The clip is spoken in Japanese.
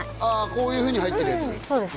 こういうふうに入ってるやつそうです